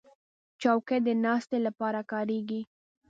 چوکۍ د ناستې لپاره کارېږي.